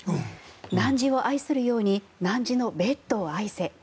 汝を愛するように汝のベッドを愛せ。